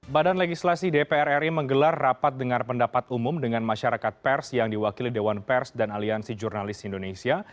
badan legislasi dpr ri menggelar rapat dengar pendapat umum dengan masyarakat pers yang diwakili dewan pers dan aliansi jurnalis indonesia